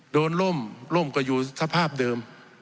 โดนร่มร่มก็อยู่สภาพเดิม